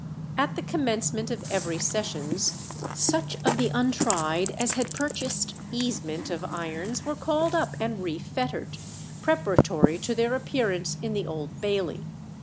At the commencement of every sessions, such of the untried as had purchased "easement" of irons were called up and re fettered, preparatory to their appearance in the Old Bailey.